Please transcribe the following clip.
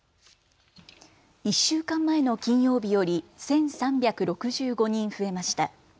１週間前の金曜日より１３６５人増えました。